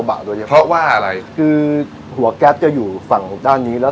บาด้วยเพราะว่าอะไรคือหัวแกบจะอยู่ฝั่งด้านนี้แล้ว